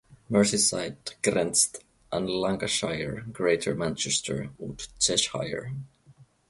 Merseyside grenzt an Lancashire, Greater Manchester und Cheshire.